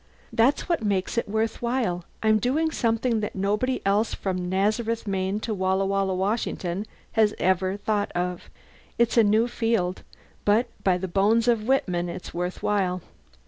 That's what makes it worth while I'm doing something that nobody else from Nazareth, Maine, to Walla Walla, Washington, has ever thought of. It's a new field, but by the bones of Whitman it's worth while.